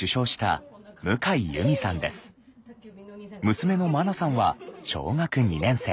娘のまなさんは小学２年生。